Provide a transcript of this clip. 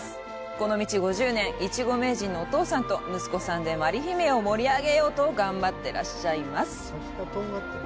この道５０年、イチゴ名人のお父さんと息子さんでまりひめを盛り上げようと頑張っていらっしゃいます。